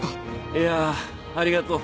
いやあありがとう。